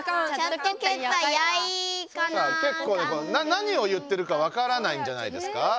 何を言ってるかわからないんじゃないですか？